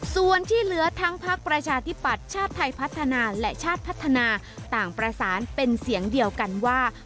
ส่วนที่เหลือทั้งพักประชาธิปัตย์ชาติไทยพัฒนาและชาติพัฒนาต่างประสานเป็นเสียงเดียวกันว่า